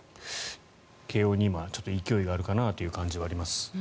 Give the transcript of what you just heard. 慶応に今、勢いがあるんじゃないかなという感じがあります。